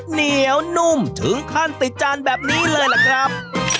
เหนียวนุ่มถึงขั้นติดจานแบบนี้เลยล่ะครับ